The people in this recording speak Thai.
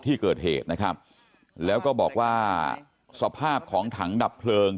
ที่เกิดเหตุนะครับแล้วก็บอกว่าสภาพของถังดับเพลิง